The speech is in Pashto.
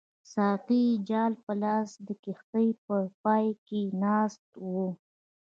ساقي جال په لاس د کښتۍ په پای کې ناست وو.